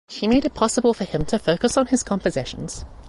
She made it possible for him to focus on his compositions.